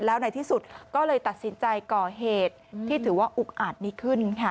แล้วในที่สุดก็เลยตัดสินใจก่อเหตุที่ถือว่าอุกอาจนี้ขึ้นค่ะ